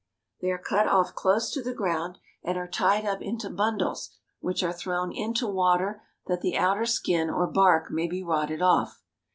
They are cut off close to the ground, and are tied up into bundles which are thrown into water that the outer skin or bark may be rotted off.